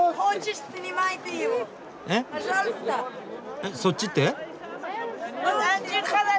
えっそっちって？